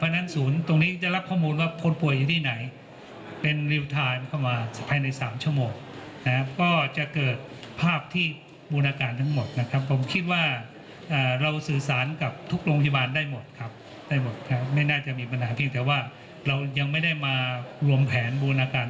ไม่น่าจะมีปัญหาเพียงแต่ว่าเรายังไม่ได้มารวมแผนบูรณาการร่วมกันนะครับ